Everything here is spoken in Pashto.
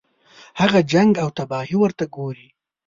هغه جنګ او تباهي ورته ګوري.